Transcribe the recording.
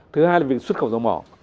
thứ hai là việc xuất khẩu dầu mỏ